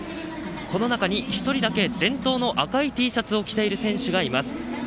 この中に１人だけ伝統の赤いＴシャツを着ている選手がいます。